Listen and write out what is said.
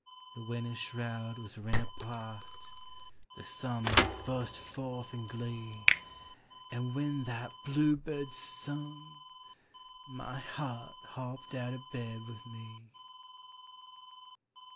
The winter's shroud was rent apari Tlie sun bust forth in glee, And when that blue bird sung, mj harl Hopped out o' bed with me!